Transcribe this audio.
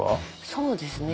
そうですね